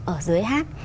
ở dưới hát